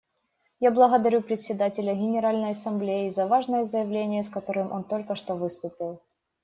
Я благодарю Председателя Генеральной Ассамблеи за важное заявление, с которым он только что выступил.